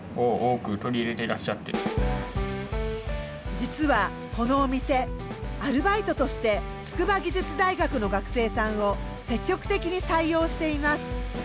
実はこのお店アルバイトとして筑波技術大学の学生さんを積極的に採用しています。